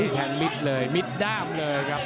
แทงมีดด้ามเลยครับ